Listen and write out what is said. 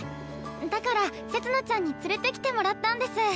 だからせつ菜ちゃんに連れてきてもらったんです。